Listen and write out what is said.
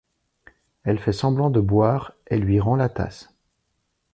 Elle fait semblant de boire etlui rend la tasse.